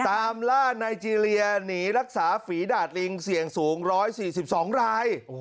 ตามล่าไนเจรียหนีรักษาฝีดาดลิงเสี่ยงสูง๑๔๒ราย